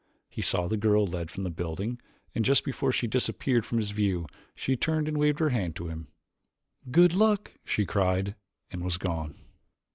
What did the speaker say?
He saw the girl led from the building and just before she disappeared from his view she turned and waved her hand to him: "Good luck!" she cried, and was gone.